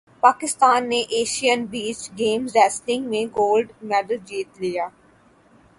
پاکستان نےایشئین beach games wrestling میں gold medal جیت لیا